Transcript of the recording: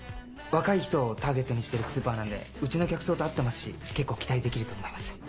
若い人をターゲットにしてるスーパーなんでうちの客層と合ってますし結構期待できると思います。